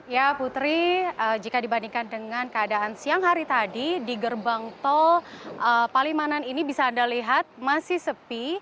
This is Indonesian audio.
ya putri jika dibandingkan dengan keadaan siang hari tadi di gerbang tol palimanan ini bisa anda lihat masih sepi